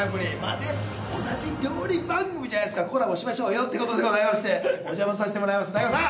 同じ料理番組じゃないですかコラボしましょうよって事でございましてお邪魔さしてもらいますＤＡＩＧＯさん！